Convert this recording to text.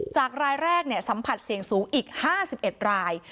จากรายแรกเนี่ยสัมผัสเสี่ยงสูงอีก๕๑ราย